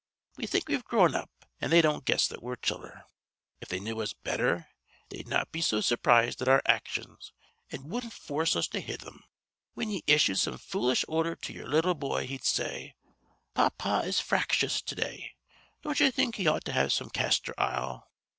We think we've grown up an' they don't guess that we're childher. If they knew us betther they'd not be so surprised at our actions an' wudden't foorce us to hit thim. Whin ye issued some foolish ordher to ye'er little boy he'd say: 'Pah pah is fractious to day. Don't ye think he ought to have some castor ile?'"